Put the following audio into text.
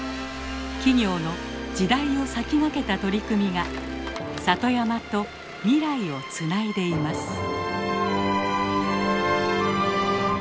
企業の時代を先駆けた取り組みが里山と未来をつないでいます。